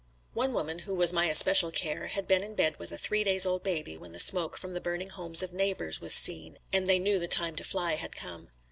One woman who was my especial care had been in bed with a three day's old baby when the smoke from the burning homes of neighbors was seen and they knew the time to fly had come.